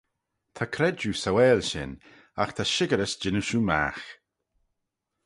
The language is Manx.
Ta credjue sauaill shin agh ta shickerys jannoo shiu magh.